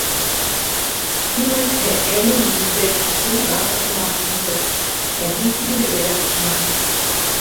— Һуң, әйтһә, әле мин, бәлки, сыныға башламағанмындыр, ә һин тибенергә лә тотонаһың.